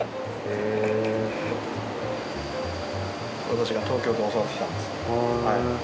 私が東京で教わってきたんです。